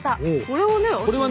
これはね。